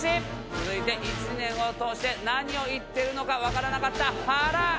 続いて１年を通して何を言ってるのかわからなかったはら。